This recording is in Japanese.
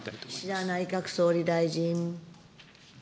岸田内閣総理大臣。